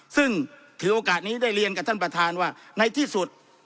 ซึ่งถือโอกาสนี้ได้เรียนกับท่านประธานว่าในที่สุด